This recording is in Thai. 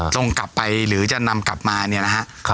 ส่งกลับไปหรือจะนำกลับมาเนี่ยนะฮะ